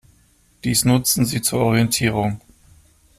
Dies nutzen sie zur Orientierung.